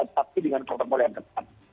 tapi dengan kontrol yang tepat